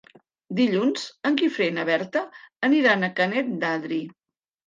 Dilluns en Guifré i na Berta aniran a Canet d'Adri.